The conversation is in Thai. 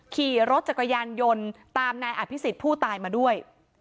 ขี่รถจักรยานยนต์ตามนายอภิษฎผู้ตายมาด้วย